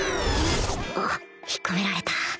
おっ引っ込められた。